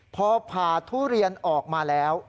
พอผ่าทุเรียนออกมาแล้ว